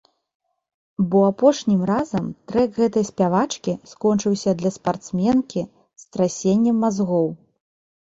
Бо апошнім разам трэк гэтай спявачкі скончыўся для спартсменкі страсеннем мазгоў.